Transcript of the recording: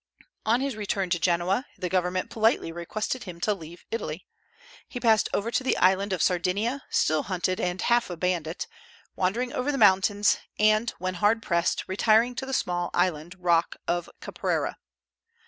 On his return to Genoa, the government politely requested him to leave Italy. He passed over to the island of Sardinia, still hunted and half a bandit, wandering over the mountains, and, when hard pressed, retiring to the small island rock of Caprera.